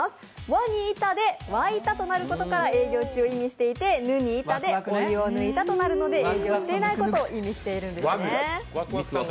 「わ」に板で沸いたということから、営業中を意味していて、「ぬ」に板でお湯を抜いたとなるので、営業していないことを指しているんですね。